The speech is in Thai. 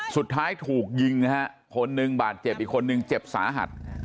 สุดท้ายถูกยิงนะฮะคนหนึ่งบาดเจ็บอีกคนนึงเจ็บสาหัส